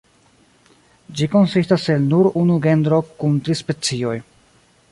Ĝi konsistas el nur unu genro kun tri specioj.